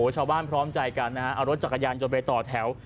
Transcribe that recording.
ชาวบ้านพร้อมใจกันนะฮะเอารถจักรยานจนไปต่อแถว